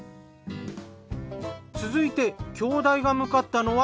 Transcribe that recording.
続いて兄妹が向かったのは